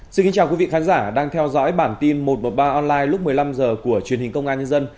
xin kính chào quý vị khán giả đang theo dõi bản tin một trăm một mươi ba online lúc một mươi năm h của truyền hình công an nhân dân